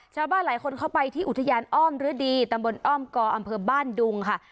ชาวบ้านหลายคนเข้าไปที่อุทยานอ้อมฤดีตำบลอ้อมกออำเภอบ้านดุงค่ะ